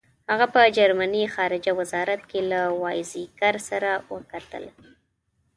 هغه په جرمني خارجه وزارت کې له وایزیکر سره وکتل.